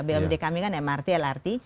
bumd kami kan mrt lrt